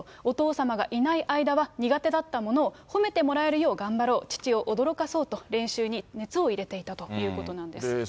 お父様がいない間は、苦手だったものを褒めてもらえるよう頑張ろう、父を驚かそうと、練習に熱を入れていたということなんです。